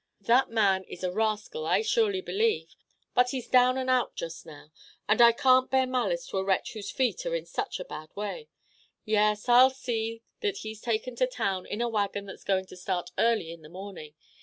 "That man is a rascal, I surely believe; but he's down and out just now, and I can't bear malice to a wretch whose feet are in such a bad way. Yes, I'll see that he's taken to town in a wagon that's going to start early in the morning.